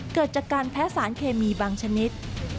เกิดจากการแพ้สารเคมีบางชนิด